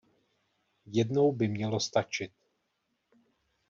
Jednou by mělo stačit.